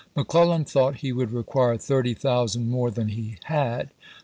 McClellan thought he would require thirty thousand more than he had.